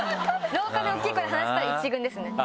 廊下で大きい声で話してたら１軍ですね。